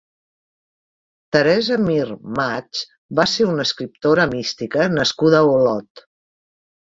Teresa Mir March va ser una escriptora mística nascuda a Olot.